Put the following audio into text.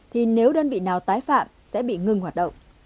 thì nếu đơn vị nào tái phạm sẽ bị ngừng hoạt động